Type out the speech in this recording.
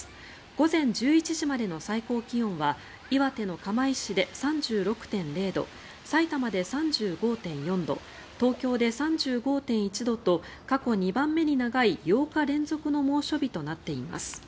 午前１１時までの最高気温は岩手の釜石で３６．０度さいたまで３５．４度東京で３５．１度と過去２番目に長い８日連続の猛暑日となっています。